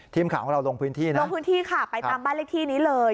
ทีมของเราลงพื้นที่ไปตามบ้านเลขที่นี้เลย